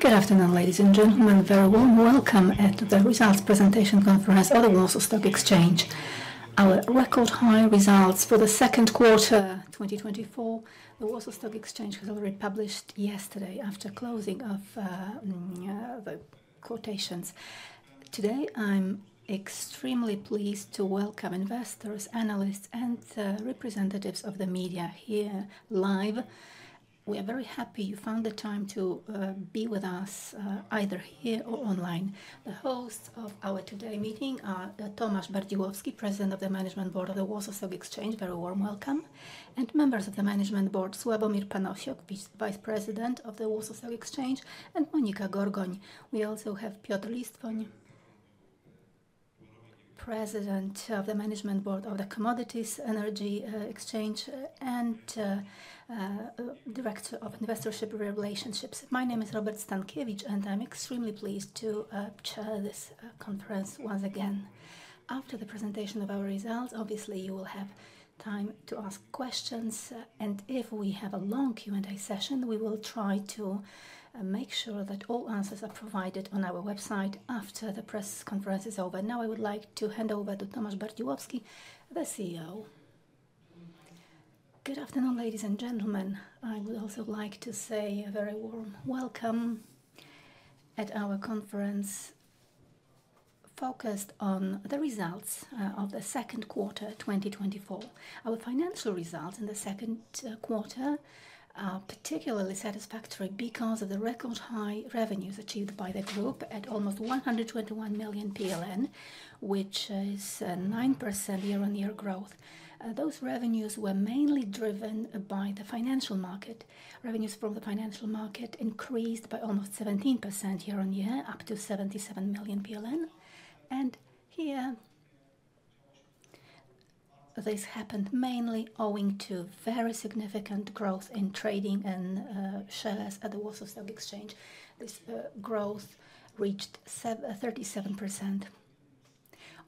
Good afternoon, ladies and gentlemen. Very warm welcome at the results presentation conference at the Warsaw Stock Exchange. Our record high results for the second quarter, 2024, the Warsaw Stock Exchange was already published yesterday after closing of the quotations. Today, I'm extremely pleased to welcome investors, analysts, and representatives of the media here live. We are very happy you found the time to be with us either here or online. The hosts of our today meeting are Tomasz Bardziłowski, President of the Management Board of the Warsaw Stock Exchange. Very warm welcome. And members of the Management Board, Sławomir Panasiuk, Vice President of the Warsaw Stock Exchange, and Monika Gorgoń. We also have Piotr Listwoń, President of the Management Board of the Commodities Energy Exchange, and Director of Investor Relations. My name is Robert Stankiewicz, and I'm extremely pleased to chair this conference once again. After the presentation of our results, obviously, you will have time to ask questions, and if we have a long Q&A session, we will try to make sure that all answers are provided on our website after the press conference is over. Now, I would like to hand over to Tomasz Bardziłowski, the CEO. Good afternoon, ladies and gentlemen. I would also like to say a very warm welcome at our conference focused on the results of the second quarter, twenty twenty-four. Our financial results in the second quarter are particularly satisfactory because of the record high revenues achieved by the group at almost 121 million PLN, which is 9% year-on-year growth. Those revenues were mainly driven by the financial market. Revenues from the financial market increased by almost 17% year-on-year, up to 77 million PLN. And here, this happened mainly owing to very significant growth in trading and shares at the Warsaw Stock Exchange. This growth reached 37%.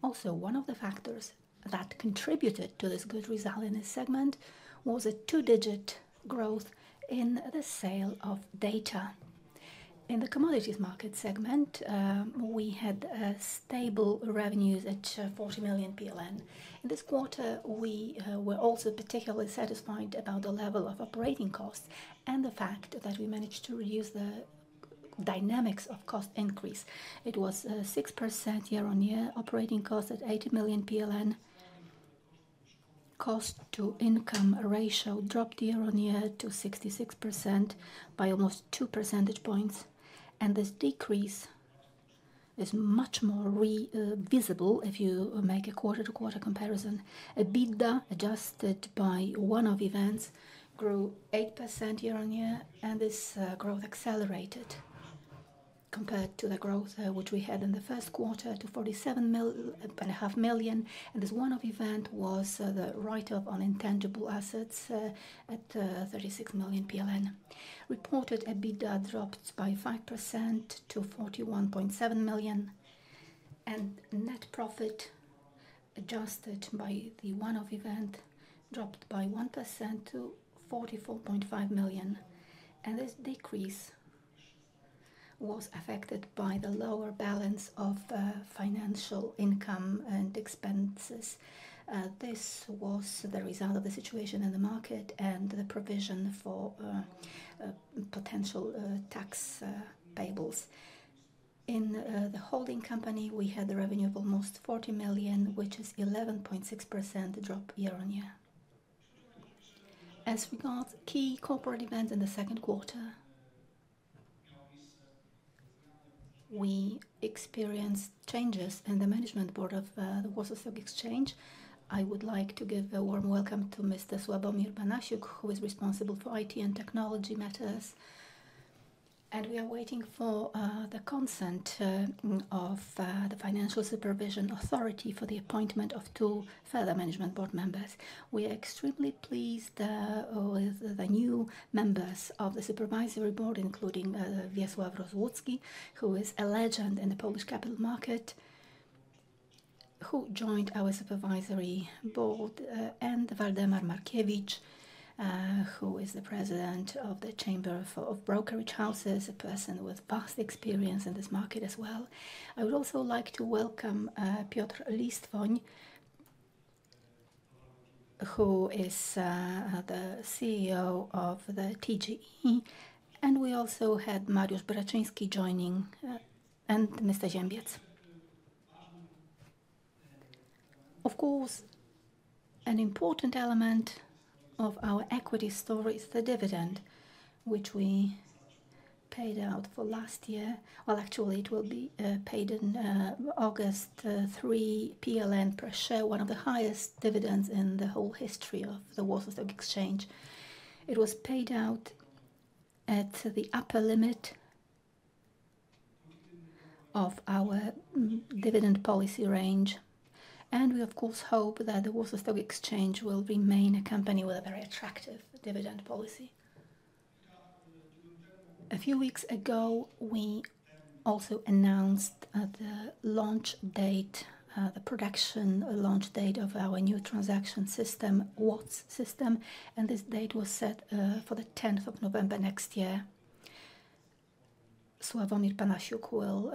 Also, one of the factors that contributed to this good result in this segment was a two-digit growth in the sale of data. In the commodities market segment, we had stable revenues at 40 million PLN. In this quarter, we were also particularly satisfied about the level of operating costs and the fact that we managed to reduce the dynamics of cost increase. It was 6% year-on-year operating cost at PLN 80 million. Cost-to-income ratio dropped year-on-year to 66% by almost two percentage points, and this decrease is much more visible if you make a quarter-to-quarter comparison. EBITDA, adjusted by one-off events, grew 8% year-on-year, and this growth accelerated compared to the growth which we had in the first quarter to 47.5 million, and this one-off event was the write-up on intangible assets at 36 million PLN. Reported EBITDA dropped by 5% to 41.7 million, and net profit, adjusted by the one-off event, dropped by 1% to 44.5 million. This decrease was affected by the lower balance of financial income and expenses. This was the result of the situation in the market and the provision for potential tax payables. In the holding company, we had a revenue of almost 40 million, which is 11.6% drop year-on-year. As regards key corporate events in the second quarter, we experienced changes in the management board of the Warsaw Stock Exchange. I would like to give a warm welcome to Mr. Sławomir Panasiuk, who is responsible for IT and technology matters, and we are waiting for the consent of the Financial Supervision Authority for the appointment of two further management board members. We are extremely pleased with the new members of the supervisory board, including Wiesław Rozłucki, who is a legend in the Polish capital market, who joined our supervisory board, and Waldemar Markiewicz, who is the President of the Chamber of Brokerage Houses, a person with vast experience in this market as well. I would also like to welcome Piotr Listwoń, who is the CEO of the TGE, and we also had Mariusz Buraczyński joining, and Mr. Of course, an important element of our equity story is the dividend, which we paid out for last year. Well, actually, it will be paid in August, 3 PLN per share, one of the highest dividends in the whole history of the Warsaw Stock Exchange. It was paid out at the upper limit of our dividend policy range, and we, of course, hope that the Warsaw Stock Exchange will remain a company with a very attractive dividend policy. A few weeks ago, we also announced the launch date, the production launch date of our new transaction system, WATS system, and this date was set for the tenth of November next year. Sławomir Panasiuk will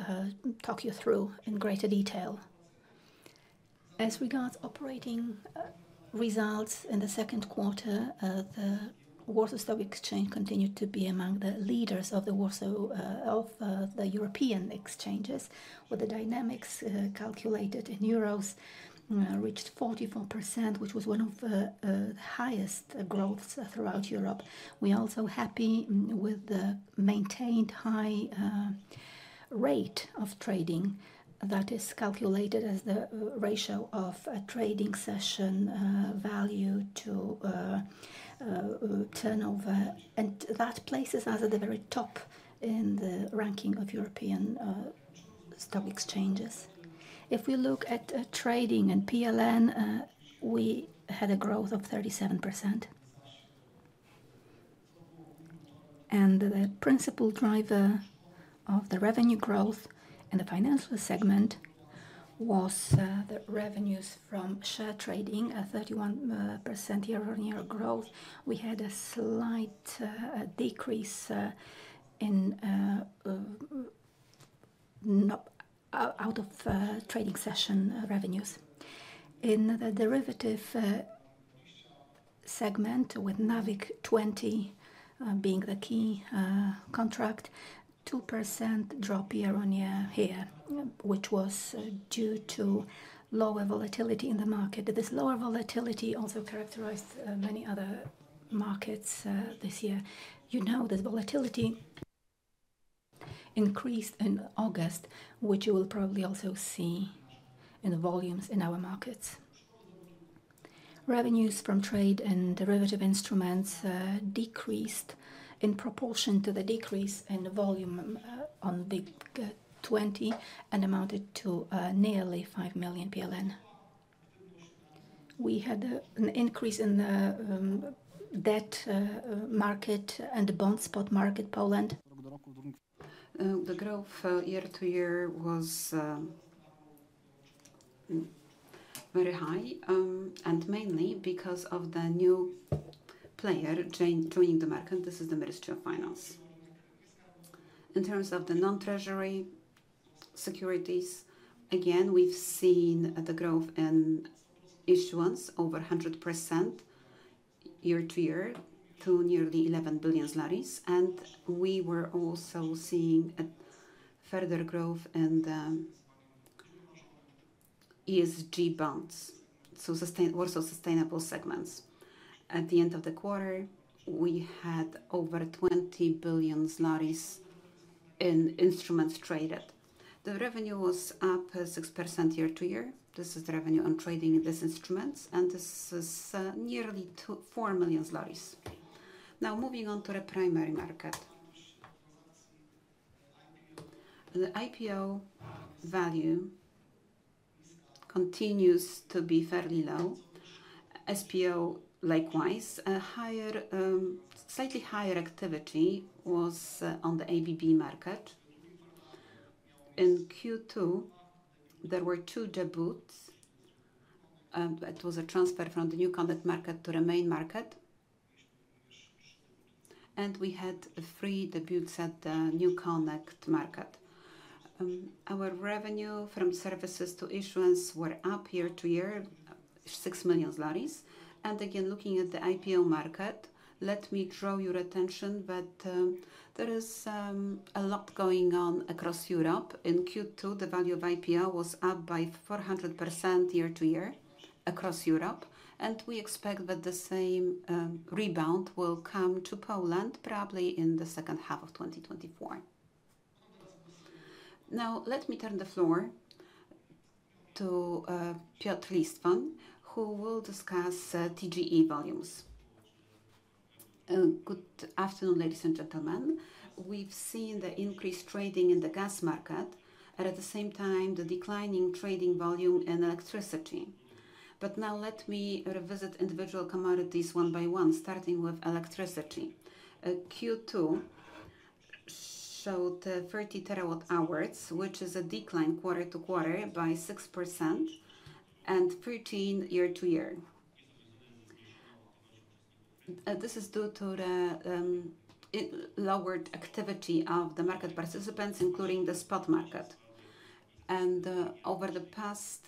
talk you through in greater detail. As regards operating results in the second quarter, the Warsaw Stock Exchange continued to be among the leaders of the Warsaw of the European exchanges, with the dynamics calculated in euros reached 44%, which was one of the highest growths throughout Europe. We're also happy with the maintained high rate of trading that is calculated as the ratio of a trading session value to turnover, and that places us at the very top in the ranking of European stock exchanges. If we look at trading and PLN, we had a growth of 37%. And the principal driver of the revenue growth in the financial segment was the revenues from share trading, a 31% year-on-year growth. We had a slight decrease in trading session revenues. In the derivative segment, with WIG20 being the key contract, 2% drop year-on-year here, which was due to lower volatility in the market. But this lower volatility also characterized many other markets this year. You know, this volatility increased in August, which you will probably also see in the volumes in our markets. Revenues from trade and derivative instruments decreased in proportion to the decrease in the volume on WIG20 and amounted to nearly 5 million PLN. We had an increase in the debt market and bond spot market, Poland. The growth year-to-year was very high and mainly because of the new player joining the market. This is the Ministry of Finance. In terms of the non-Treasury securities, again, we've seen the growth in issuance over 100% year-to-year to nearly 11 billion zlotys, and we were also seeing a further growth in the ESG bonds, so also sustainable segments. At the end of the quarter, we had over 20 billion in instruments traded. The revenue was up 6% year-to-year. This is the revenue on trading these instruments, and this is nearly 4 million. Now, moving on to the primary market. The IPO value continues to be fairly low. SPO, likewise, a slightly higher activity was on the ABB market. In Q2, there were two debuts, and it was a transfer from the NewConnect Market to the Main Market. And we had three debuts at the NewConnect Market. Our revenue from services to issuance were up year-to-year, six million zlotys. And again, looking at the IPO market, let me draw your attention that, there is, a lot going on across Europe. In Q2, the value of IPO was up by 400% year-to-year across Europe, and we expect that the same, rebound will come to Poland, probably in the second half of twenty twenty-four. Now, let me turn the floor to, Piotr Listwoń, who will discuss, TGE volumes. Good afternoon, ladies and gentlemen. We've seen the increased trading in the gas market and at the same time, the declining trading volume in electricity. But now let me revisit individual commodities one by one, starting with electricity. Q2 showed 30 TWh, which is a decline quarter-to-quarter by 6% and 13 year-to-year. This is due to the lowered activity of the market participants, including the spot market. And over the past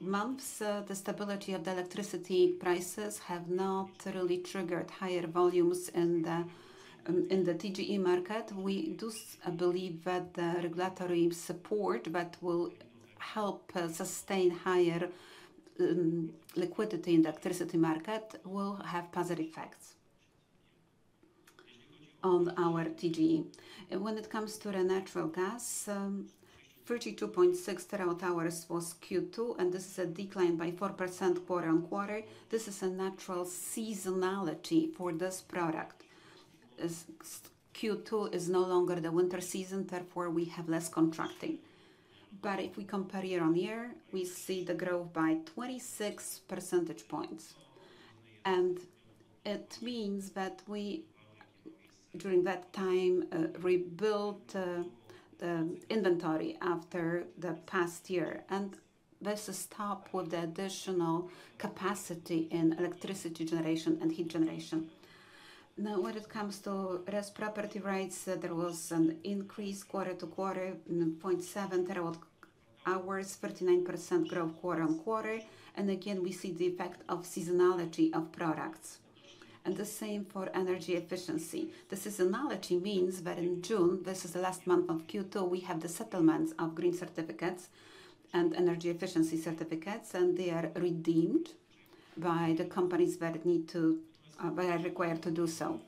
months, the stability of the electricity prices have not really triggered higher volumes in the TGE market. We do believe that the regulatory support that will help sustain higher liquidity in the electricity market will have positive effects on our TGE. When it comes to the natural gas, 32.6 TWh was Q2, and this is a decline by 4% quarter-on-quarter. This is a natural seasonality for this product. As Q2 is no longer the winter season, therefore we have less contracting, but if we compare year on year, we see the growth by 26 percentage points, and it means that we, during that time, rebuilt the inventory after the past year, and this is top with the additional capacity in electricity generation and heat generation. Now, when it comes to RES property rights, there was an increase quarter-to-quarter in 0.7 TWh, 39% growth quarter-on-quarter, and again, we see the effect of seasonality of products, and the same for energy efficiency. The seasonality means that in June, this is the last month of Q2, we have the settlements of green certificates and energy efficiency certificates, and they are redeemed by the companies that need to, that are required to do so.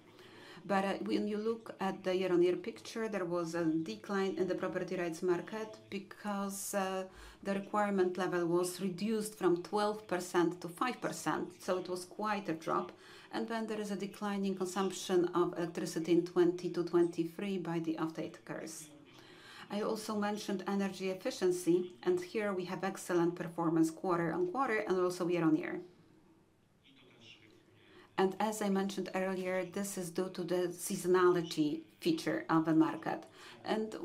But when you look at the year-on-year picture, there was a decline in the property rights market because the requirement level was reduced from 12% to 5%, so it was quite a drop. And then there is a decline in consumption of electricity in 2020 to 2023 by the update occurs. I also mentioned energy efficiency, and here we have excellent performance quarter-on-quarter and also year on year. And as I mentioned earlier, this is due to the seasonality feature of the market and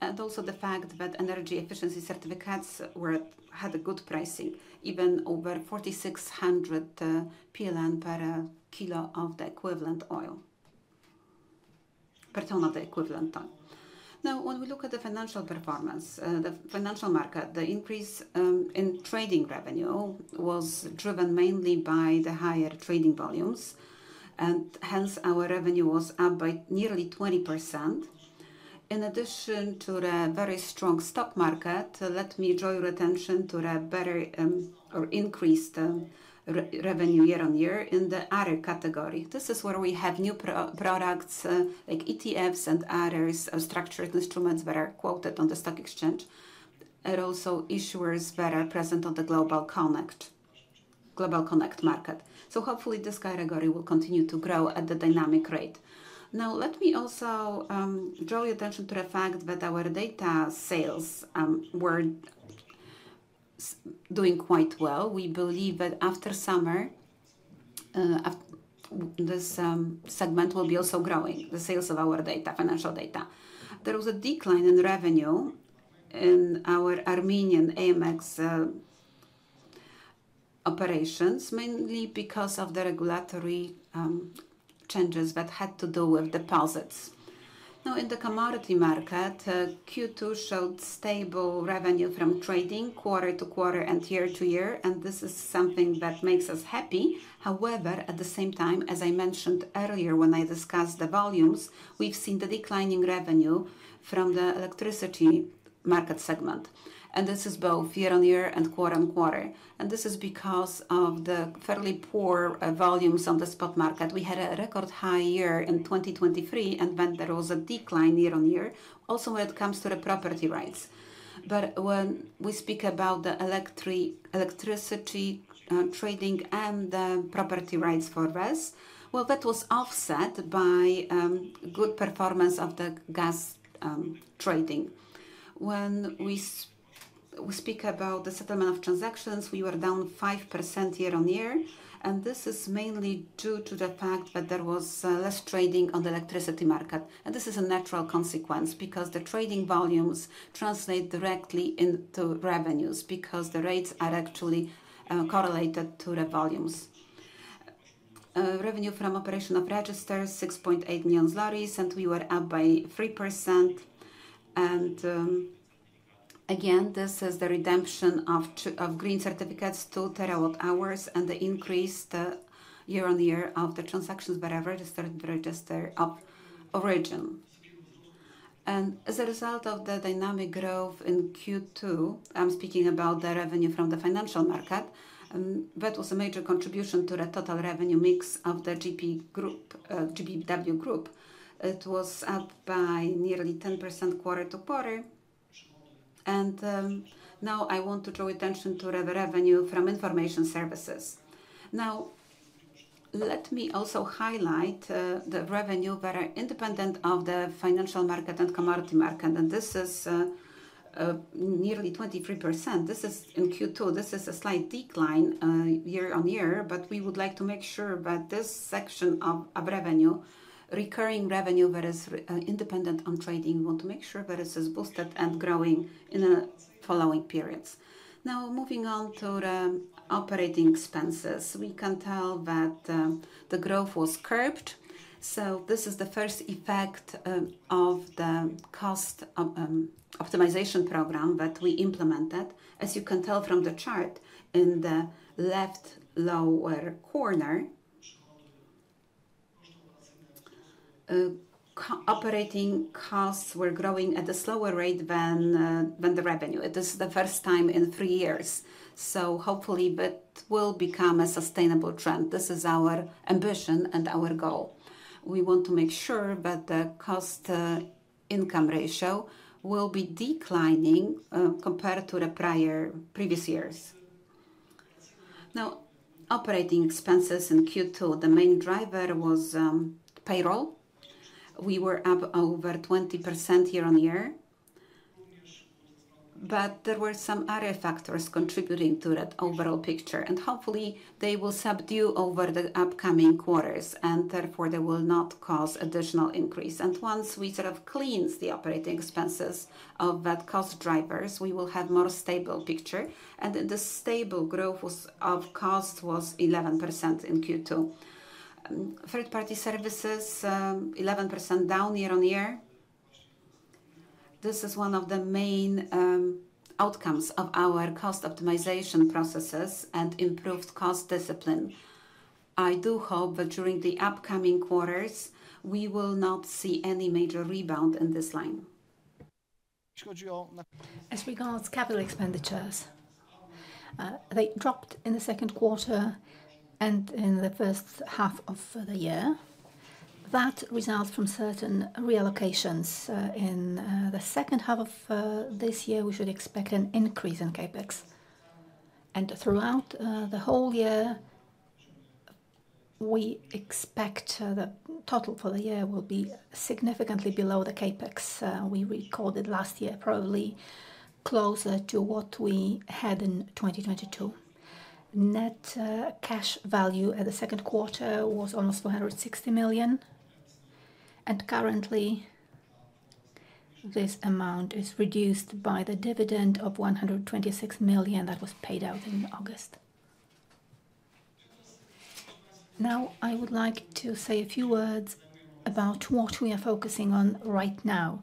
and also the fact that energy efficiency certificates were had a good pricing, even over 4,600 PLN per kilo of the equivalent oil, per ton of the equivalent ton. Now, when we look at the financial performance, the financial market, the increase in trading revenue was driven mainly by the higher trading volumes, and hence our revenue was up by nearly 20%. In addition to the very strong stock market, let me draw your attention to the better or increased revenue year on year in the other category. This is where we have new products like ETFs and others, structured instruments that are quoted on the stock exchange, and also issuers that are present on the GlobalConnect, GlobalConnect market. So hopefully, this category will continue to grow at the dynamic rate. Now, let me also draw your attention to the fact that our data sales were doing quite well. We believe that after summer, this segment will be also growing, the sales of our data, financial data. There was a decline in revenue in our Armenian AMX operations, mainly because of the regulatory changes that had to do with deposits. Now, in the commodity market, Q2 showed stable revenue from trading quarter-to-quarter and year-to-year, and this is something that makes us happy. However, at the same time, as I mentioned earlier, when I discussed the volumes, we've seen the declining revenue from the electricity market segment, and this is both year on year and quarter-on-quarter. This is because of the fairly poor volumes on the spot market. We had a record high year in 2023, and then there was a decline year on year. Also, when it comes to the property rights. When we speak about the electricity trading and the property rights for RES, well, that was offset by good performance of the gas trading. When we speak about the settlement of transactions, we were down 5% year on year, and this is mainly due to the fact that there was less trading on the electricity market. This is a natural consequence because the trading volumes translate directly into revenues because the rates are actually correlated to the volumes. Revenue from operation of registers, 6.8 million zlotys, and we were up by 3%. Again, this is the redemption of two of green certificates, 2 TWh, and the increase year on year of the transactions that are registered, register of origin. As a result of the dynamic growth in Q2, I'm speaking about the revenue from the financial market, that was a major contribution to the total revenue mix of the GPW Group. It was up by nearly 10% quarter-to-quarter. Now I want to draw attention to the revenue from information services. Now, let me also highlight the revenue that are independent of the financial market and commodity market, and this is nearly 23%. This is in Q2. This is a slight decline year on year, but we would like to make sure that this section of revenue, recurring revenue that is independent of trading, we want to make sure that it is boosted and growing in the following periods. Now, moving on to the operating expenses. We can tell that the growth was curbed. So this is the first effect of the cost optimization program that we implemented. As you can tell from the chart in the left lower corner, operating costs were growing at a slower rate than the revenue. It is the first time in three years, so hopefully that will become a sustainable trend. This is our ambition and our goal. We want to make sure that the cost-to-income ratio will be declining compared to the prior previous years.... Now, operating expenses in Q2, the main driver was payroll. We were up over 20% year-on-year, but there were some other factors contributing to that overall picture, and hopefully they will subside over the upcoming quarters, and therefore they will not cause additional increase. And once we sort of cleanse the operating expenses of that cost drivers, we will have more stable picture, and the stable growth of cost was 11% in Q2. Third-party services, 11% down year-on-year. This is one of the main outcomes of our cost optimization processes and improved cost discipline. I do hope that during the upcoming quarters, we will not see any major rebound in this line. As regards capital expenditures, they dropped in the second quarter and in the first half of the year. That results from certain reallocations. In the second half of this year, we should expect an increase in CapEx. And throughout the whole year, we expect the total for the year will be significantly below the CapEx we recorded last year, probably closer to what we had in 2022. Net cash value at the second quarter was almost 460 million, and currently, this amount is reduced by the dividend of 126 million that was paid out in August. Now, I would like to say a few words about what we are focusing on right now,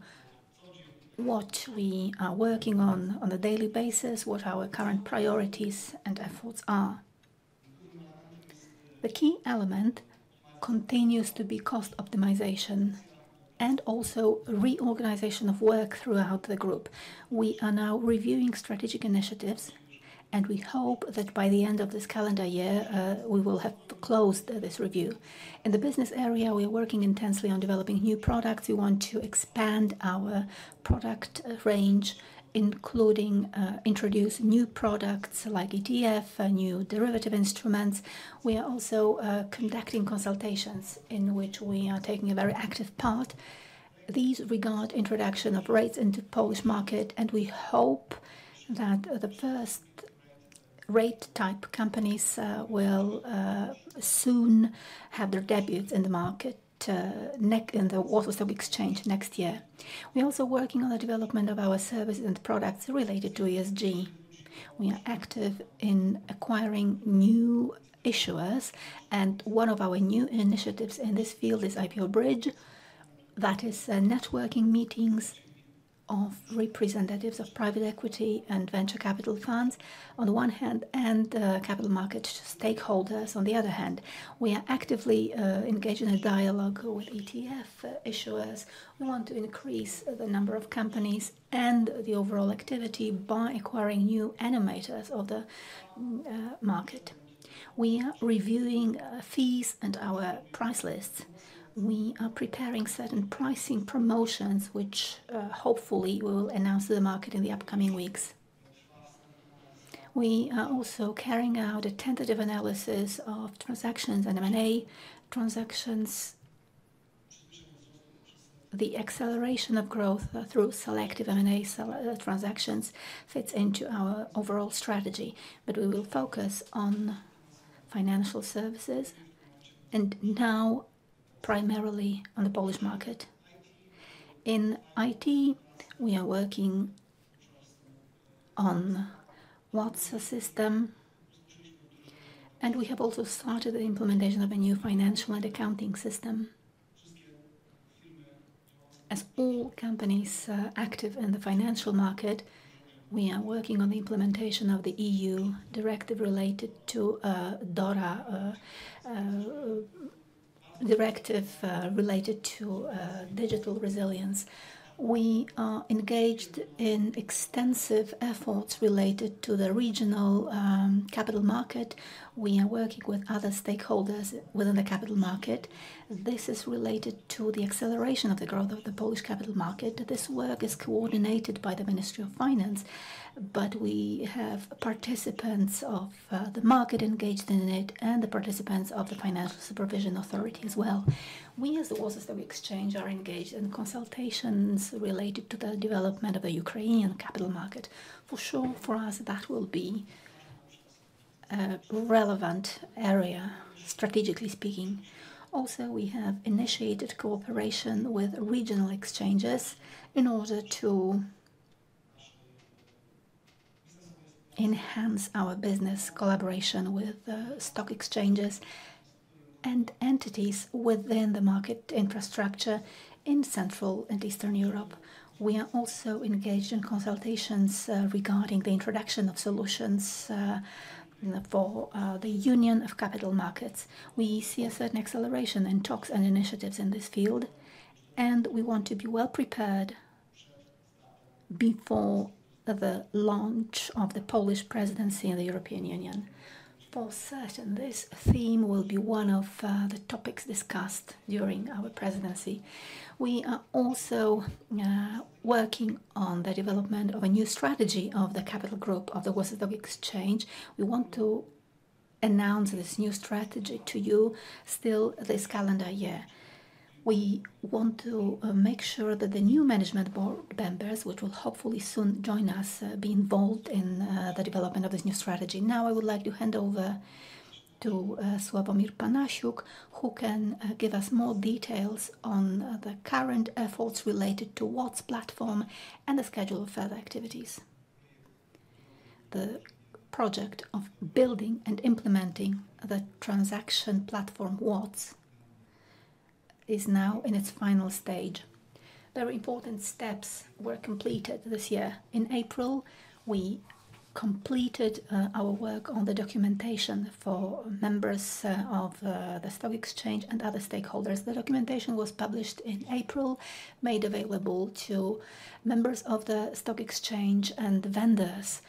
what we are working on on a daily basis, what our current priorities and efforts are. The key element continues to be cost optimization and also reorganization of work throughout the group. We are now reviewing strategic initiatives, and we hope that by the end of this calendar year, we will have closed this review. In the business area, we are working intensely on developing new products. We want to expand our product range, including introduce new products like ETF, new derivative instruments. We are also conducting consultations in which we are taking a very active part. These regard introduction of REITs into Polish market, and we hope that the first REIT-type companies will soon have their debuts in the market, in the Warsaw Stock Exchange next year. We are also working on the development of our services and products related to ESG. We are active in acquiring new issuers, and one of our new initiatives in this field is IPO Bridge. That is, networking meetings of representatives of private equity and venture capital funds on the one hand, and, capital market stakeholders on the other hand. We are actively, engaged in a dialogue with ETF, issuers. We want to increase the number of companies and the overall activity by acquiring new animators of the, market. We are reviewing, fees and our price lists. We are preparing certain pricing promotions, which, hopefully we will announce to the market in the upcoming weeks. We are also carrying out a tentative analysis of transactions and M&A transactions. The acceleration of growth through selective M&A sell, transactions fits into our overall strategy, but we will focus on financial services and now primarily on the Polish market. In IT, we are working on WATS, the system, and we have also started the implementation of a new financial and accounting system. As all companies active in the financial market, we are working on the implementation of the EU directive related to DORA directive related to digital resilience. We are engaged in extensive efforts related to the regional capital market. We are working with other stakeholders within the capital market. This is related to the acceleration of the growth of the Polish capital market. This work is coordinated by the Ministry of Finance, but we have participants of the market engaged in it and the participants of the Financial Supervision Authority as well. We, as the Warsaw Stock Exchange, are engaged in consultations related to the development of the Ukrainian capital market. For sure, for us, that will be a relevant area, strategically speaking. Also, we have initiated cooperation with regional exchanges in order to enhance our business collaboration with stock exchanges and entities within the market infrastructure in Central and Eastern Europe. We are also engaged in consultations regarding the introduction of solutions for the Union of Capital Markets. We see a certain acceleration in talks and initiatives in this field, and we want to be well prepared before the launch of the Polish presidency in the European Union. For certain, this theme will be one of the topics discussed during our presidency. We are also working on the development of a new strategy of the Capital Group of the Warsaw Stock Exchange. We want to-... announce this new strategy to you still this calendar year. We want to make sure that the new management board members, which will hopefully soon join us, be involved in the development of this new strategy. Now, I would like to hand over to Sławomir Panasiuk, who can give us more details on the current efforts related to WATS platform and the schedule of further activities. The project of building and implementing the transaction platform, WATS, is now in its final stage. Very important steps were completed this year. In April, we completed our work on the documentation for members of the stock exchange and other stakeholders. The documentation was published in April, made available to members of the stock exchange and vendors.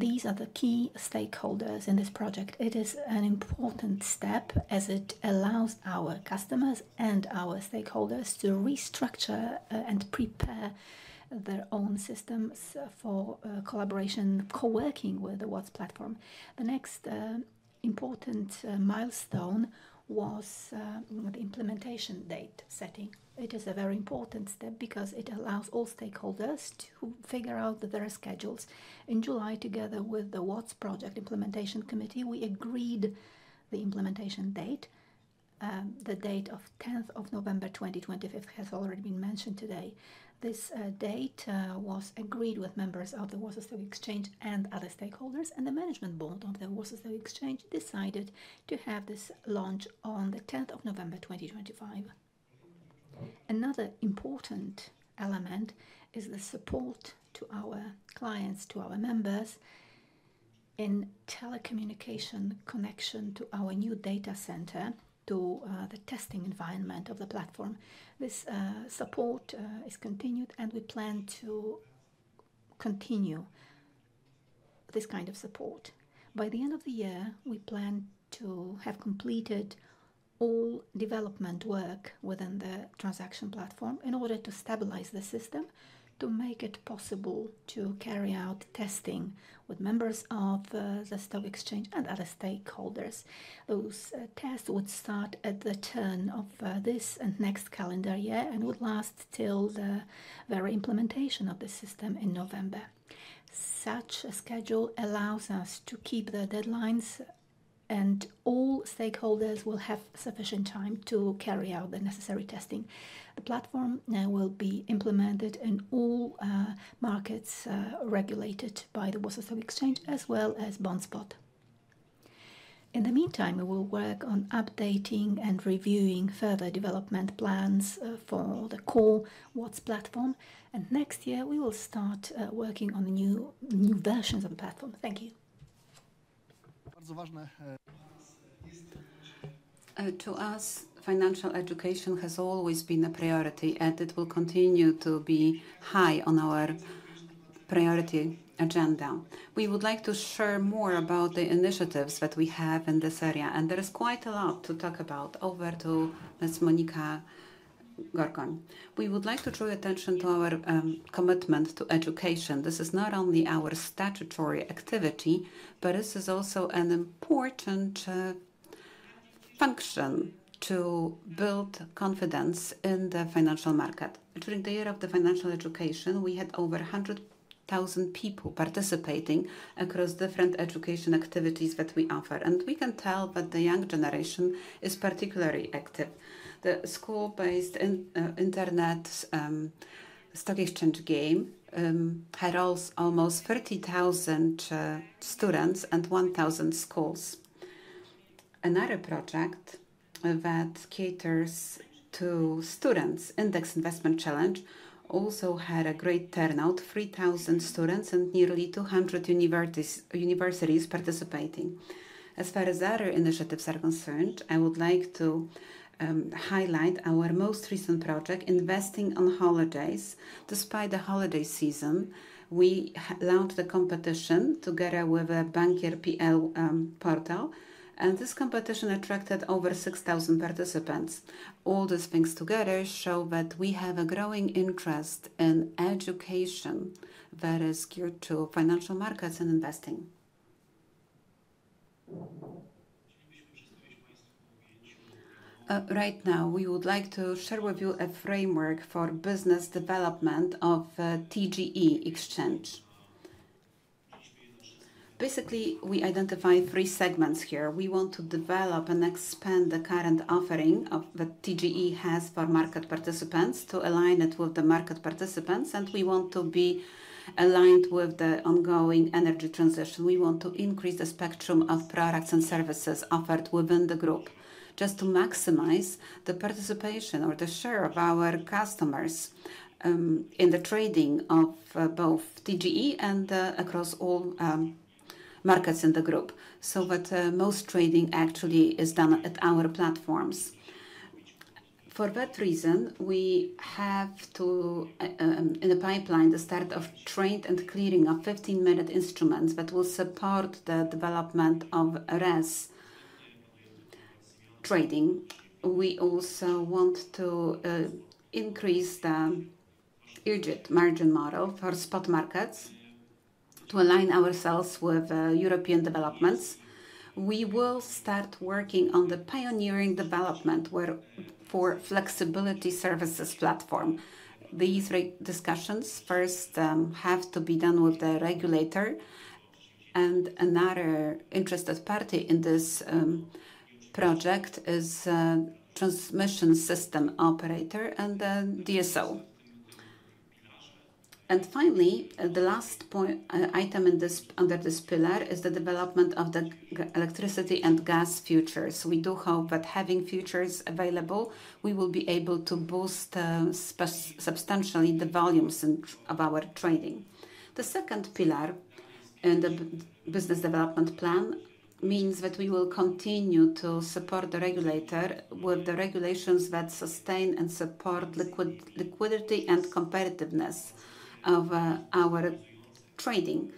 These are the key stakeholders in this project. It is an important step as it allows our customers and our stakeholders to restructure and prepare their own systems for collaboration, co-working with the WATS platform. The next important milestone was the implementation date setting. It is a very important step because it allows all stakeholders to figure out their schedules. In July, together with the WATS Project Implementation Committee, we agreed the implementation date. The date of tenth of November, twenty twenty-fifth, has already been mentioned today. This date was agreed with members of the Warsaw Stock Exchange and other stakeholders, and the management board of the Warsaw Stock Exchange decided to have this launch on the tenth of November, twenty twenty-fifth. Another important element is the support to our clients, to our members in telecommunication connection to our new data center, to the testing environment of the platform. This support is continued, and we plan to continue this kind of support. By the end of the year, we plan to have completed all development work within the transaction platform in order to stabilize the system, to make it possible to carry out testing with members of the stock exchange and other stakeholders. Those tests would start at the turn of this and next calendar year and would last till the very implementation of the system in November. Such a schedule allows us to keep the deadlines, and all stakeholders will have sufficient time to carry out the necessary testing. The platform now will be implemented in all markets regulated by the Warsaw Stock Exchange, as well as BondSpot. In the meantime, we will work on updating and reviewing further development plans for the core WATS platform, and next year we will start working on the new versions of the platform. Thank you. To us, financial education has always been a priority, and it will continue to be high on our priority agenda. We would like to share more about the initiatives that we have in this area, and there is quite a lot to talk about. Over to Ms. Monika Gorgoń. We would like to draw your attention to our commitment to education. This is not only our statutory activity, but this is also an important function to build confidence in the financial market. During the year of the financial education, we had over 100,000 people participating across different education activities that we offer, and we can tell that the young generation is particularly active. The School-based Internet Stock Exchange Game had almost 30,000 students and 1,000 schools. Another project that caters to students, Index Investment Challenge, also had a great turnout: three thousand students and nearly two hundred universities participating. As far as other initiatives are concerned, I would like to highlight our most recent project, Investing on Holidays. Despite the holiday season, we launched the competition together with a Bankier.pl portal, and this competition attracted over six thousand participants. All these things together show that we have a growing interest in education that is geared to financial markets and investing. Right now, we would like to share with you a framework for business development of TGE exchange. Basically, we identify three segments here. We want to develop and expand the current offering of that TGE has for market participants to align it with the market participants, and we want to be aligned with the ongoing energy transition. We want to increase the spectrum of products and services offered within the group, just to maximize the participation or the share of our customers in the trading of both TGE and across all markets in the group, so that most trading actually is done at our platforms. For that reason, we have in the pipeline the start of trade and clearing of 15-minute instruments that will support the development of RES trading. We also want to increase the urgent margin model for spot markets to align ourselves with European developments. We will start working on the pioneering development where for flexibility services platform. These discussions first have to be done with the regulator, and another interested party in this project is transmission system operator and then DSO. Finally, the last point, item in this under this pillar is the development of the electricity and gas futures. We do hope that having futures available, we will be able to boost substantially the volumes and of our trading. The second pillar in the business development plan means that we will continue to support the regulator with the regulations that sustain and support liquidity and competitiveness of our trading.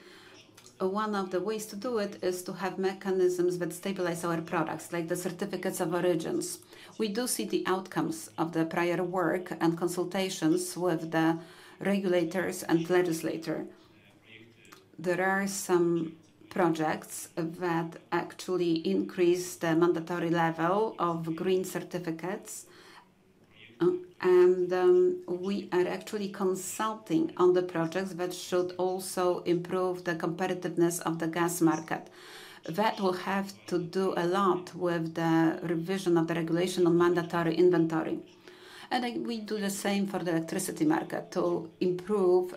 One of the ways to do it is to have mechanisms that stabilize our products, like the certificates of origins. We do see the outcomes of the prior work and consultations with the regulators and legislator. There are some projects that actually increase the mandatory level of green certificates, and we are actually consulting on the projects that should also improve the competitiveness of the gas market. That will have to do a lot with the revision of the regulation on mandatory inventory. And we do the same for the electricity market to improve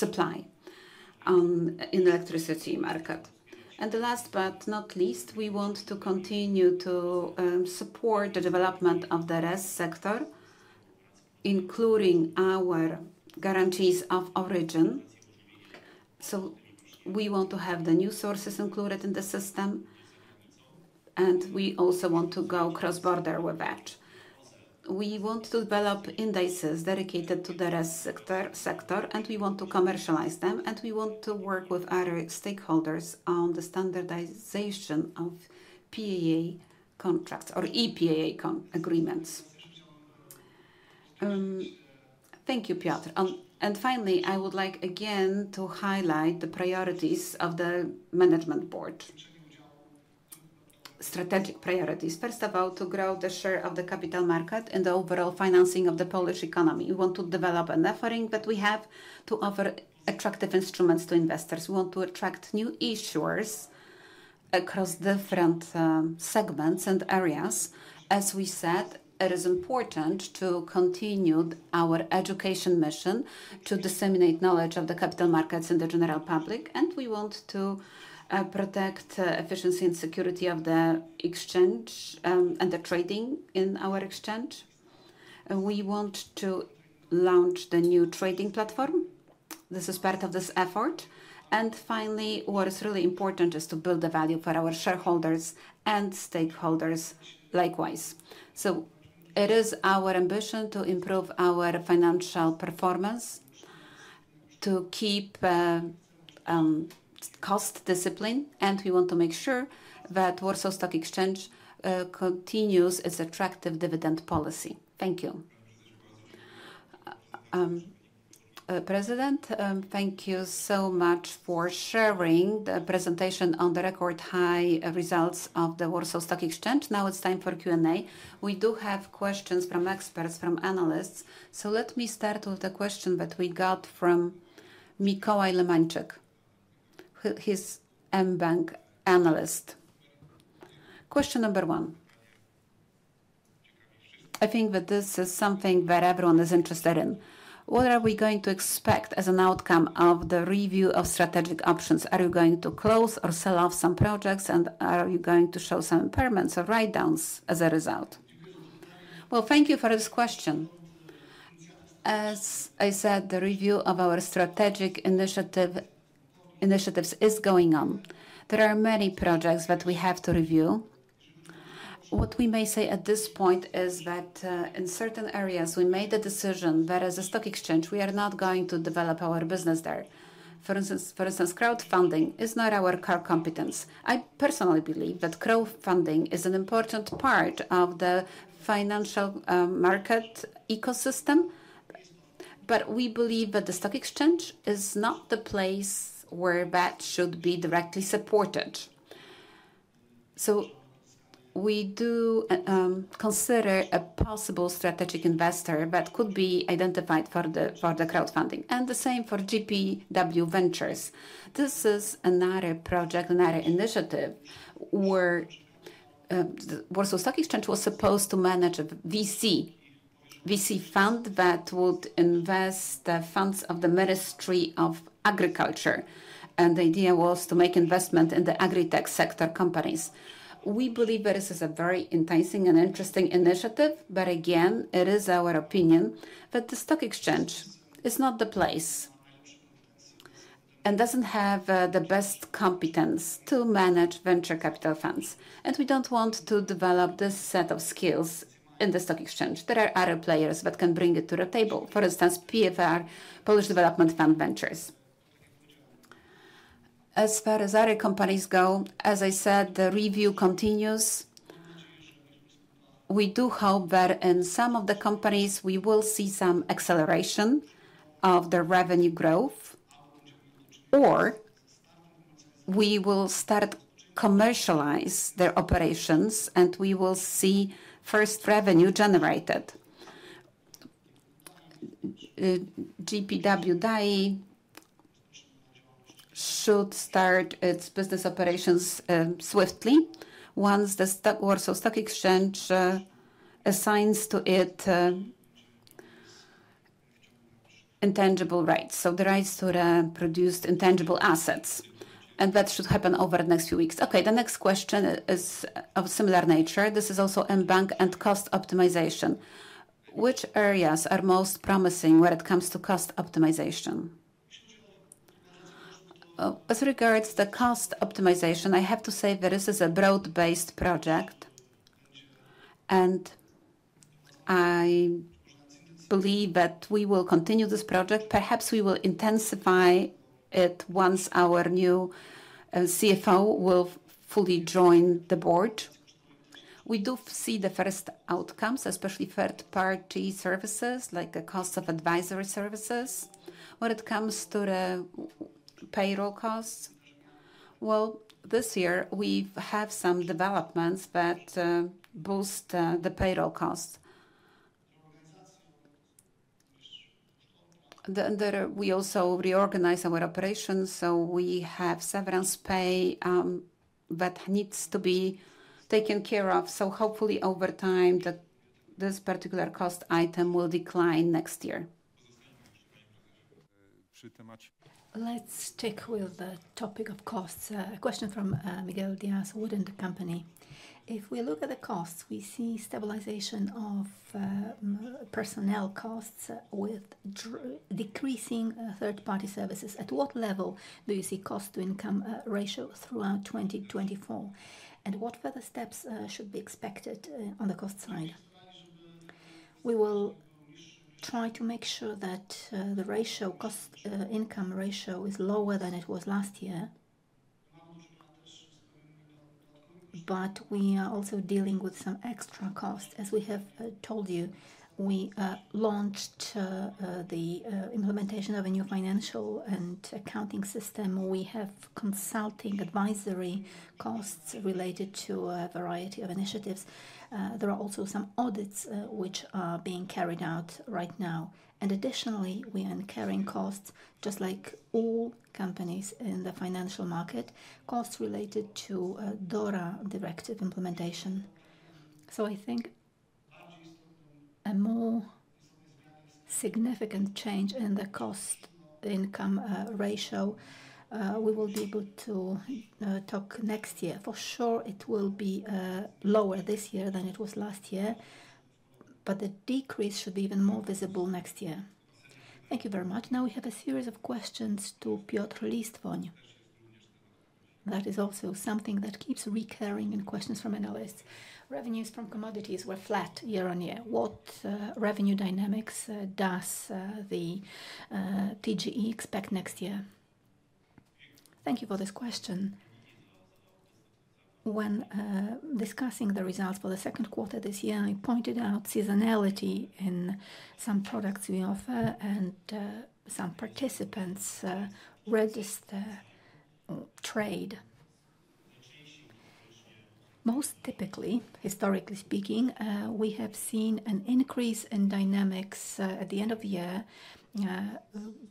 supply in electricity market. And the last but not least, we want to continue to support the development of the RES sector, including our guarantees of origin. So we want to have the new sources included in the system, and we also want to go cross-border with that. We want to develop indices dedicated to the RES sector, and we want to commercialize them, and we want to work with other stakeholders on the standardization of PPA contracts or EPA agreements. Thank you, Piotr. And finally, I would like again to highlight the priorities of the management board. Strategic priorities. First of all, to grow the share of the capital market and the overall financing of the Polish economy. We want to develop an offering that we have to offer attractive instruments to investors. We want to attract new issuers across different segments and areas. As we said, it is important to continue our education mission, to disseminate knowledge of the capital markets and the general public, and we want to protect efficiency and security of the exchange and the trading in our exchange, and we want to launch the new trading platform. This is part of this effort, and finally, what is really important is to build the value for our shareholders and stakeholders likewise. So it is our ambition to improve our financial performance, to keep cost discipline, and we want to make sure that Warsaw Stock Exchange continues its attractive dividend policy. Thank you. President, thank you so much for sharing the presentation on the record high results of the Warsaw Stock Exchange. Now it's time for Q&A. We do have questions from experts, from analysts. So let me start with a question that we got from Mikołaj Lemańczyk, he's mBank analyst. Question number one: I think that this is something that everyone is interested in. What are we going to expect as an outcome of the review of strategic options? Are you going to close or sell off some projects, and are you going to show some impairments or write-downs as a result? Well, thank you for this question. As I said, the review of our strategic initiative, initiatives is going on. There are many projects that we have to review. What we may say at this point is that in certain areas, we made a decision that as a stock exchange, we are not going to develop our business there. For instance, crowdfunding is not our core competence. I personally believe that crowdfunding is an important part of the financial market ecosystem, but we believe that the stock exchange is not the place where that should be directly supported. So we do consider a possible strategic investor that could be identified for the crowdfunding, and the same for GPW Ventures. This is another project, another initiative, where the Warsaw Stock Exchange was supposed to manage a VC, VC fund that would invest the funds of the Ministry of Agriculture, and the idea was to make investment in the agritech sector companies. We believe that this is a very enticing and interesting initiative, but again, it is our opinion that the stock exchange is not the place and doesn't have the best competence to manage venture capital funds. And we don't want to develop this set of skills in the stock exchange. There are other players that can bring it to the table. For instance, PFR Ventures. As far as other companies go, as I said, the review continues. We do hope that in some of the companies, we will see some acceleration of their revenue growth, or we will start commercialize their operations, and we will see first revenue generated. GPW [DAI] should start its business operations swiftly once the stock, Warsaw Stock Exchange, assigns to it, intangible rights, so the rights to produced intangible assets, and that should happen over the next few weeks. Okay, the next question is of similar nature. This is also mBank and cost optimization. Which areas are most promising when it comes to cost optimization? As regards to the cost optimization, I have to say that this is a broad-based project, and I believe that we will continue this project. Perhaps we will intensify it once our new CFO will fully join the board. We do see the first outcomes, especially third-party services, like the cost of advisory services. When it comes to the payroll costs, well, this year we've had some developments that boost the payroll costs. We also reorganized our operations, so we have severance pay that needs to be taken care of. So hopefully, over time, this particular cost item will decline next year. Let's stick with the topic of costs. A question from Miguel Dias, Wood and Company. If we look at the costs, we see stabilization of personnel costs with decreasing third-party services. At what level do you see cost-to-income ratio throughout 2024? And what further steps should be expected on the cost side? We will try to make sure that the cost-to-income ratio is lower than it was last year. But we are also dealing with some extra costs. As we have told you, we launched the implementation of a new financial and accounting system. We have consulting advisory costs related to a variety of initiatives. There are also some audits which are being carried out right now. And additionally, we are incurring costs, just like all companies in the financial market, costs related to DORA directive implementation. So I think a more significant change in the cost-to-income ratio we will be able to talk next year. For sure, it will be lower this year than it was last year, but the decrease should be even more visible next year. Thank you very much. Now we have a series of questions to Piotr Listwoń. That is also something that keeps recurring in questions from analysts. Revenues from commodities were flat year-on-year. What revenue dynamics does the TGE expect next year? Thank you for this question. When discussing the results for the second quarter this year, I pointed out seasonality in some products we offer and some participants register trade. Most typically, historically speaking, we have seen an increase in dynamics at the end of the year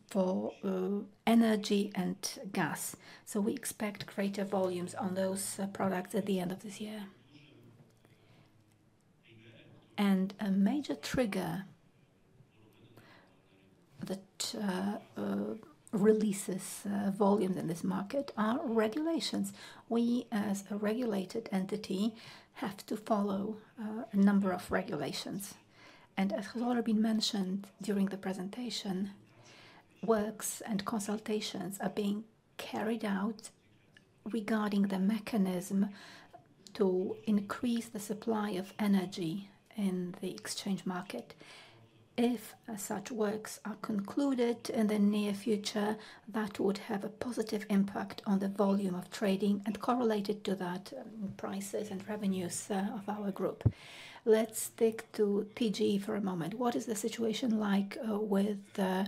for energy and gas. So we expect greater volumes on those products at the end of this year. And a major trigger that releases volume in this market are regulations. We, as a regulated entity, have to follow a number of regulations. And as has already been mentioned during the presentation, works and consultations are being carried out regarding the mechanism to increase the supply of energy in the exchange market. If such works are concluded in the near future, that would have a positive impact on the volume of trading and correlated to that, prices and revenues of our group. Let's stick to TGE for a moment. What is the situation like with the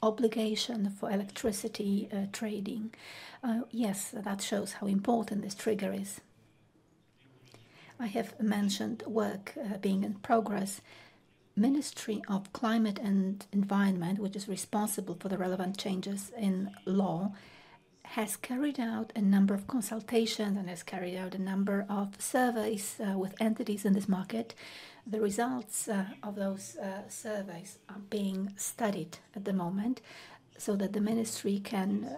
obligation for electricity trading? Yes, that shows how important this trigger is. I have mentioned work being in progress. Ministry of Climate and Environment, which is responsible for the relevant changes in law, has carried out a number of consultations and has carried out a number of surveys with entities in this market. The results of those surveys are being studied at the moment so that the ministry can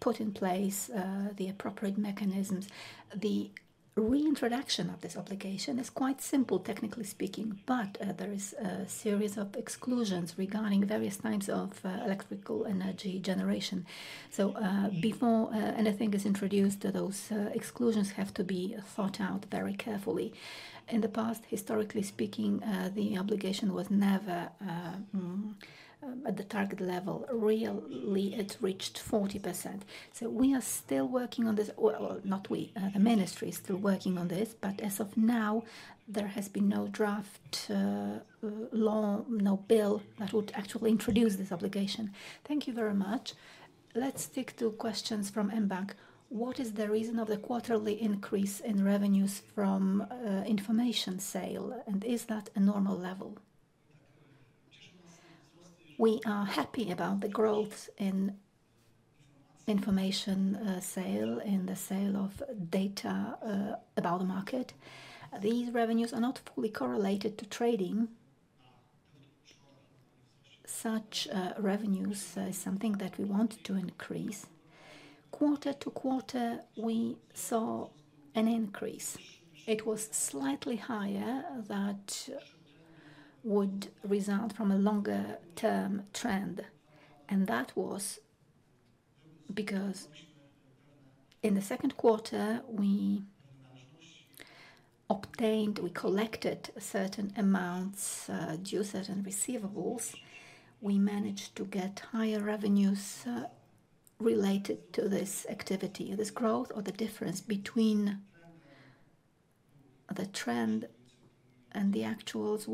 put in place the appropriate mechanisms. The reintroduction of this obligation is quite simple, technically speaking, but there is a series of exclusions regarding various types of electrical energy generation. So, before anything is introduced, those exclusions have to be thought out very carefully. In the past, historically speaking, the obligation was never at the target level. Really, it reached 40%. So we are still working on this. Not we, the ministry is still working on this, but as of now, there has been no draft, law, no bill that would actually introduce this obligation. Thank you very much. Let's stick to questions from mBank. What is the reason of the quarterly increase in revenues from, information sale, and is that a normal level? We are happy about the growth in information, sale, in the sale of data, about the market. These revenues are not fully correlated to trading. Such revenues is something that we want to increase. Quarter-to- quarter, we saw an increase. It was slightly higher that would result from a longer term trend, and that was because in the second quarter we obtained, we collected certain amounts, due certain receivables. We managed to get higher revenues, related to this activity. This growth or the difference between the trend and the actuals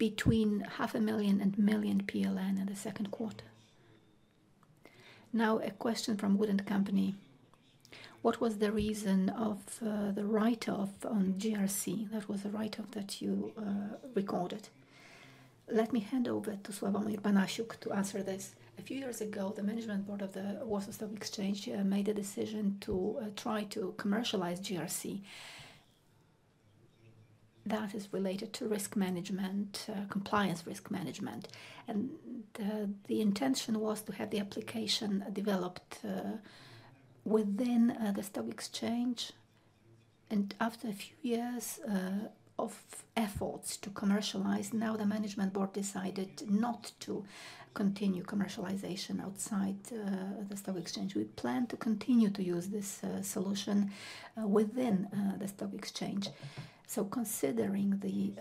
was between 500,000 and 1 million PLN in the second quarter. Now, a question from Wood & Company. What was the reason of the write-off on GRC? That was a write-off that you recorded. Let me hand over to Sławomir Panasiuk to answer this. A few years ago, the Management Board of the Warsaw Stock Exchange made a decision to try to commercialize GRC. That is related to risk management, compliance risk management, and the intention was to have the application developed within the stock exchange. And after a few years of efforts to commercialize, now the Management Board decided not to continue commercialization outside the stock exchange. We plan to continue to use this solution within the stock exchange. Considering the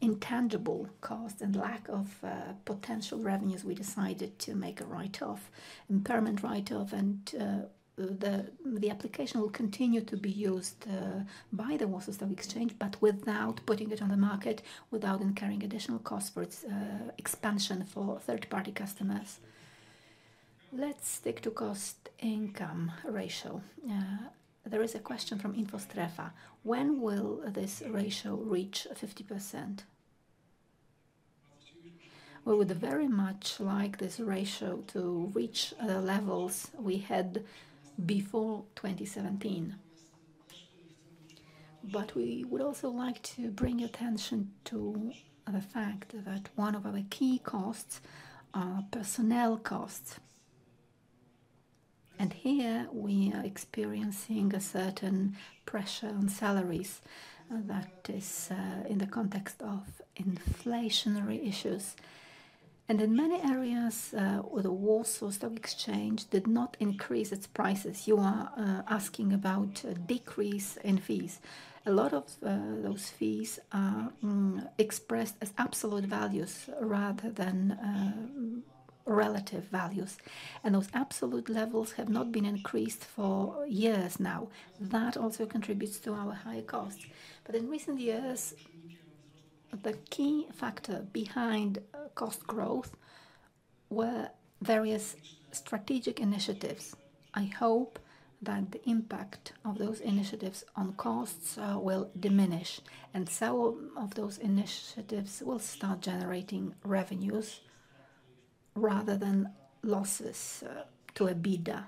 intangible cost and lack of potential revenues, we decided to make a write-off, impairment write-off, and the application will continue to be used by the Warsaw Stock Exchange, but without putting it on the market, without incurring additional costs for its expansion for third-party customers. Let's stick to cost-income ratio. There is a question from Infostrefa. When will this ratio reach 50%? We would very much like this ratio to reach levels we had before 2017. But we would also like to bring your attention to the fact that one of our key costs are personnel costs, and here we are experiencing a certain pressure on salaries that is in the context of inflationary issues. And in many areas, where the Warsaw Stock Exchange did not increase its prices, you are asking about a decrease in fees. A lot of those fees are expressed as absolute values rather than relative values, and those absolute levels have not been increased for years now. That also contributes to our higher costs. But in recent years, the key factor behind cost growth were various strategic initiatives. I hope that the impact of those initiatives on costs will diminish, and some of those initiatives will start generating revenues rather than losses to EBITDA.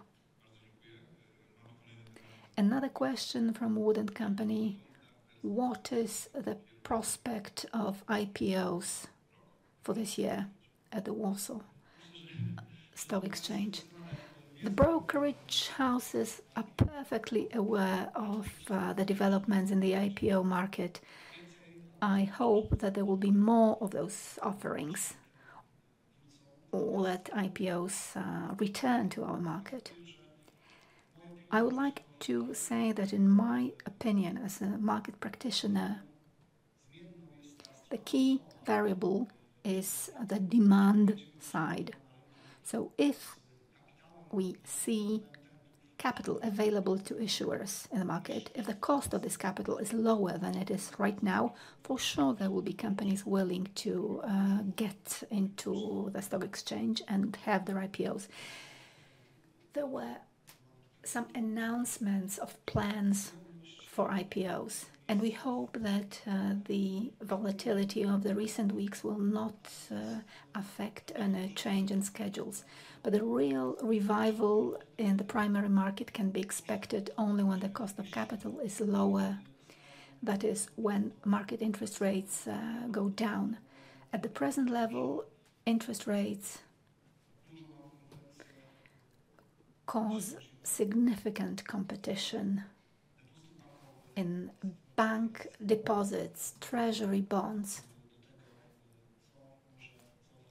Another question from Wood & Company. What is the prospect of IPOs for this year at the Warsaw Stock Exchange? The brokerage houses are perfectly aware of the developments in the IPO market. I hope that there will be more of those offerings or that IPOs return to our market. I would like to say that in my opinion, as a market practitioner, the key variable is the demand side. So if we see capital available to issuers in the market, if the cost of this capital is lower than it is right now, for sure there will be companies willing to get into the stock exchange and have their IPOs. There were some announcements of plans for IPOs, and we hope that the volatility of the recent weeks will not affect any change in schedules. But the real revival in the primary market can be expected only when the cost of capital is lower, that is, when market interest rates go down. At the present level, interest rates cause significant competition in bank deposits. Treasury bonds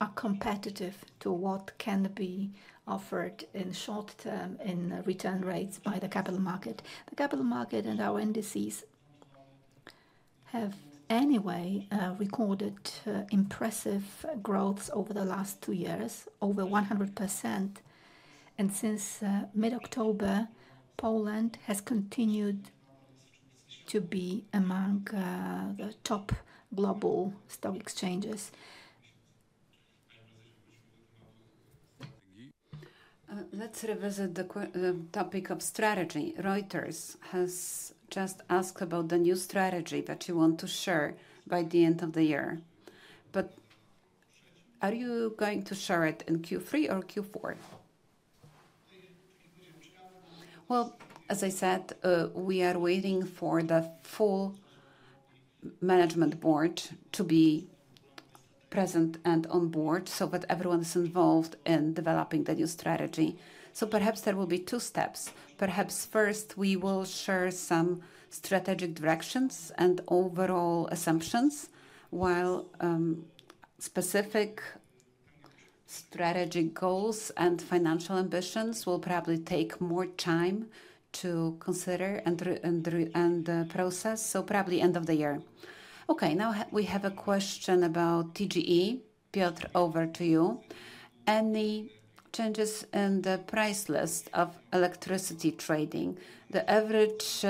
are competitive to what can be offered in short term, in return rates by the capital market. The capital market and our indices, have anyway recorded impressive growths over the last two years, over 100%. And since mid-October, Poland has continued to be among the top global stock exchanges. Let's revisit the topic of strategy. Reuters has just asked about the new strategy that you want to share by the end of the year. But are you going to share it in Q3 or Q4? Well, as I said, we are waiting for the full management board to be present and on board, so that everyone is involved in developing the new strategy. So perhaps there will be two steps. Perhaps first, we will share some strategic directions and overall assumptions, while specific strategic goals and financial ambitions will probably take more time to consider and through and process, so probably end of the year. Okay, now we have a question about TGE. Piotr, over to you. Any changes in the price list of electricity trading? The average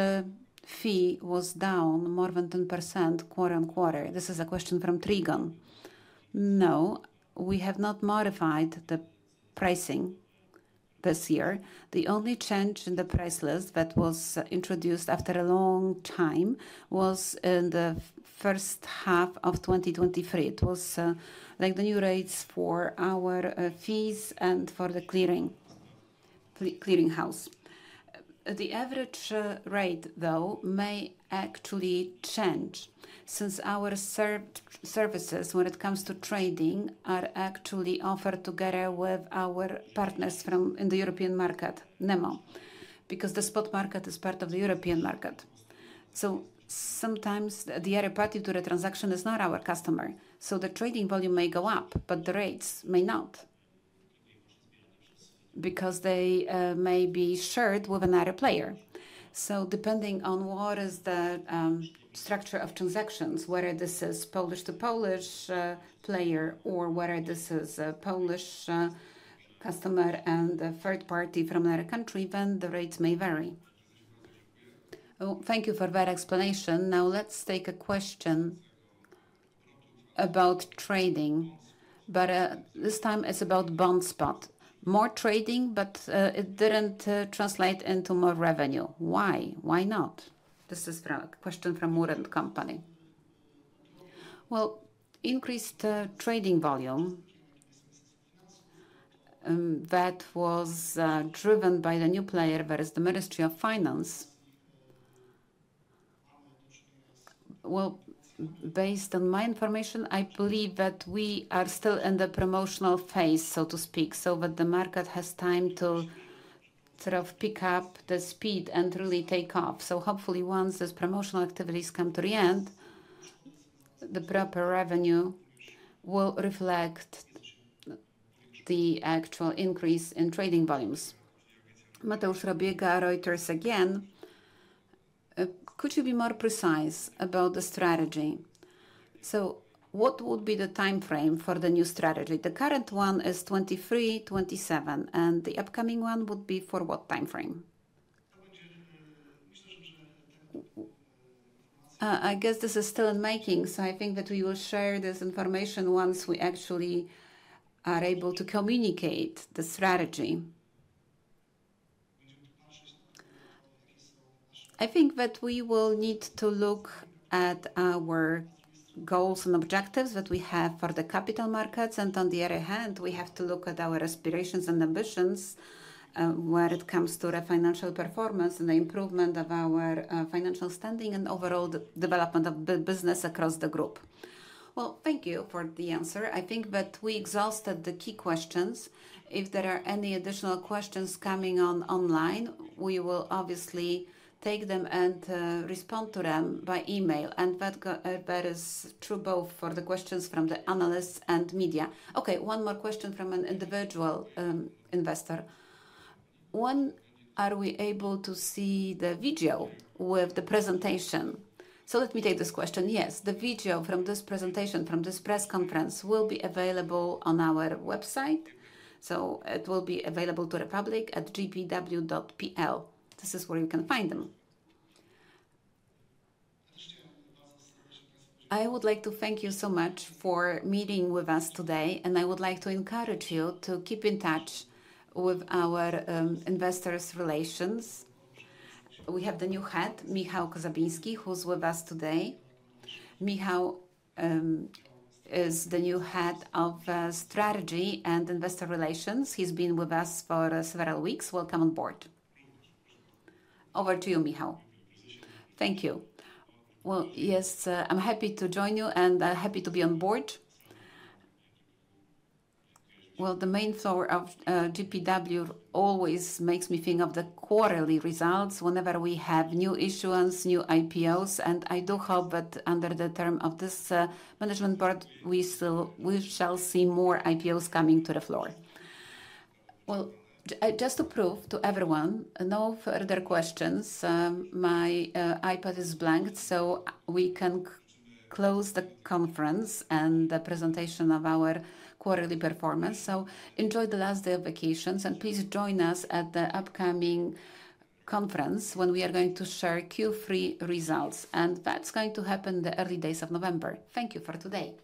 fee was down more than 10% quarter-on-quarter. This is a question from Trigon. No, we have not modified the pricing this year. The only change in the price list that was introduced after a long time was in the first half of 2023. It was like the new rates for our fees and for the clearing house. The average rate, though, may actually change, since our services, when it comes to trading, are actually offered together with our partners from in the European market, NEMO, because the spot market is part of the European market. So sometimes the other party to the transaction is not our customer, so the trading volume may go up, but the rates may not, because they may be shared with another player. So depending on what is the structure of transactions, whether this is Polish to Polish player or whether this is a Polish customer and a third party from another country, then the rates may vary. Well, thank you for that explanation. Now, let's take a question about trading, but this time it's about BondSpot. More trading, but it didn't translate into more revenue. Why? Why not? This is a question from Wood & Company. Well, increased trading volume that was driven by the new player, that is the Ministry of Finance. Based on my information, I believe that we are still in the promotional phase, so to speak, so that the market has time to sort of pick up the speed and really take off. So hopefully, once these promotional activities come to the end, the proper revenue will reflect the actual increase in trading volumes. Mateusz Rabiega, Reuters again. Could you be more precise about the strategy? So what would be the timeframe for the new strategy? The current one is 2023, 2027, and the upcoming one would be for what timeframe? I guess this is still in the making, so I think that we will share this information once we actually are able to communicate the strategy. I think that we will need to look at our goals and objectives that we have for the capital markets. On the other hand, we have to look at our aspirations and ambitions when it comes to the financial performance and the improvement of our financial standing and overall the development of business across the group. Thank you for the answer. I think that we exhausted the key questions. If there are any additional questions coming on online, we will obviously take them and respond to them by email, and that is true both for the questions from the analysts and media. Okay, one more question from an individual investor: When are we able to see the video with the presentation? So let me take this question. Yes, the video from this presentation, from this press conference, will be available on our website, so it will be available to the public at gpw.pl. This is where you can find them. I would like to thank you so much for meeting with us today, and I would like to encourage you to keep in touch with our Investor Relations. We have the new head, Michał Kobza, who's with us today. Michał is the new head of Strategy and Investor Relations. He's been with us for several weeks. Welcome on board. Over to you, Michał. Thank you. Well, yes, I'm happy to join you and happy to be on board. Well, the main floor of GPW always makes me think of the quarterly results whenever we have new issuance, new IPOs, and I do hope that under the term of this management board, we still... we shall see more IPOs coming to the floor. Just to prove to everyone, no further questions, my iPad is blank, so we can close the conference and the presentation of our quarterly performance. Enjoy the last day of vacations, and please join us at the upcoming conference, when we are going to share Q3 results. That's going to happen the early days of November. Thank you for today.